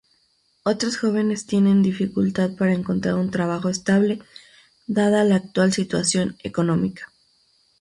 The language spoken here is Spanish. Otros jóvenes tienen dificultad para encontrar un trabajo estable dada la actual situación económica.